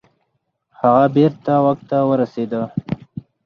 هغه بیرته واک ته ورسیده.